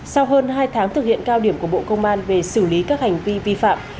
sau hơn hai tháng thực hiện cao điểm của bộ công an về xử lý các hành vi vi phạm